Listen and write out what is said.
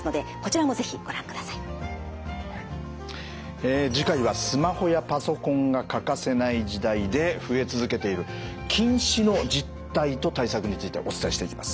え次回はスマホやパソコンが欠かせない時代で増え続けている近視の実態と対策についてお伝えしていきます。